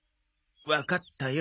わかったよ。